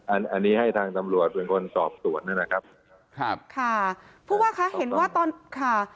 อันนี้ให้ทางตำรวจเป็นคนสอบสวนนะครับครับค่ะผู้ว่าคะเห็นว่าตอนค่ะ